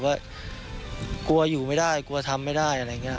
ว่ากลัวอยู่ไม่ได้กลัวทำไม่ได้